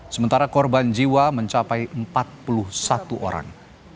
sementara korban jiwa mencapai empat puluh satu orang